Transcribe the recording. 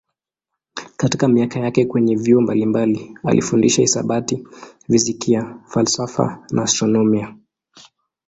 Katika miaka yake kwenye vyuo mbalimbali alifundisha hisabati, fizikia, falsafa na astronomia.